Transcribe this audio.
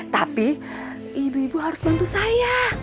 tapi ibu ibu harus bantu saya